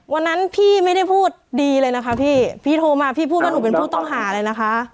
วันนั้นพี่ไม่ได้พูดดีเลยนะคะพี่พี่โทรมาพี่พูดว่าหนูเป็นผู้ต้องหาเลยนะคะ